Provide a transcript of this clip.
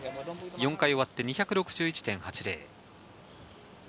４回終わって２６１．８０。